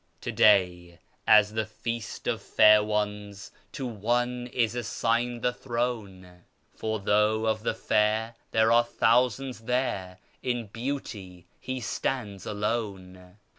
' To day, at the Feast of Fair ones, to One is assigned the Throne, For though of the fair there are thousands there, in beauty He stands alone.